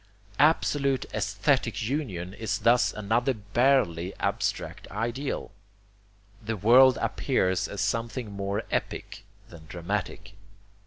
ABSOLUTE aesthetic union is thus another barely abstract ideal. The world appears as something more epic than dramatic.